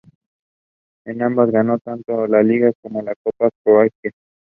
En ambas ganó tanto la liga como la Copa de Croacia.